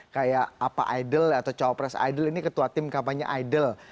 kayak apa idol atau cawapres idol ini ketua tim kampanye idol